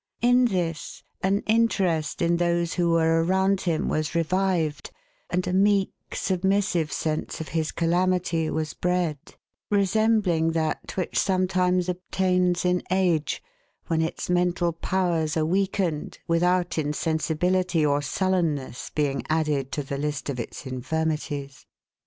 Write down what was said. In this, an interest in those who were around him was revived, and a meek, submissive sense of his calamity was bred, resembling that which sometimes obtains in age, when its mental powers are weakened, without insensibility or sullenness being added to the list of its infirmities.